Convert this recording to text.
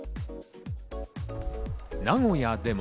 名古屋でも。